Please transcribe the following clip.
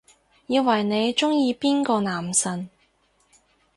以為你鍾意邊個男神